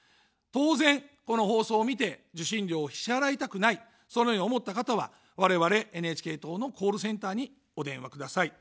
当然、この放送を見て受信料を支払いたくない、そのように思った方は我々ＮＨＫ党のコールセンターにお電話ください。